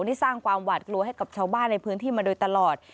ได้สร้างความหวาดกลัวให้กับชาวบ้านในพื้นที่มาโดยตลอด